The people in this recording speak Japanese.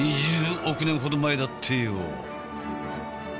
２０億年ほど前だってよ。